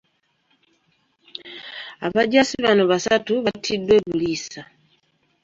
Abajaasi bano basatu battiddwa e Buliisa.